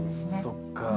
そっか。